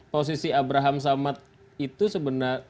posisi abraham samad itu sebenarnya